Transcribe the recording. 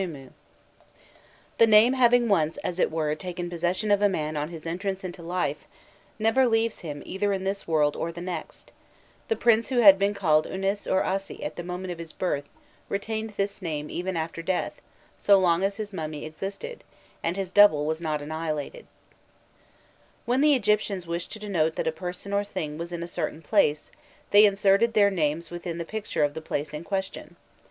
[Illustration: 023.jpg PAGE IMAGE] The name having once, as it were, taken possession of a man on his entrance into life, never leaves him either in this world or the next; the prince who had been called Unas or Assi at the moment of his birth, retained this name even after death, so long as his mummy existed, and his double was not annihilated. {Hieroglyphics indicated by [], see the page images in the HTML file} When the Egyptians wished to denote that a person or thing was in a certain place, they inserted their names within the picture of the place in question.